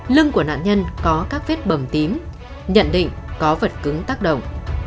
lưng của nạn nhân có các vết bầm tím nhận định có vật cứng tác động